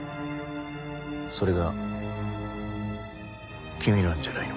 それが君なんじゃないのか？